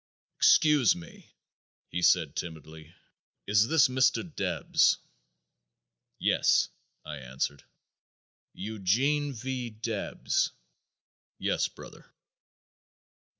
"Excuse me!" he said timidly, "is this Mr. Debs?" "Yes," I answered. "Eugene V. Debs?" "Yes, brother."